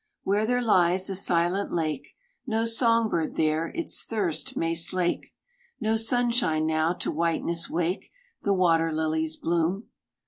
Where there lies a silent lake, No song bird there its thirst may slake, No sunshine now to whiteness wake The water lily's bloom.